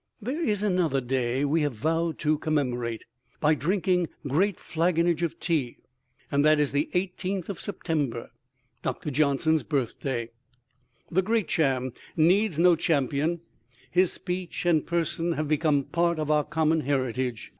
There is another day we have vowed to commemorate, by drinking great flaggonage of tea, and that is the 18th of September, Dr. Johnson's birthday. The Great Cham needs no champion; his speech and person have become part of our common heritage.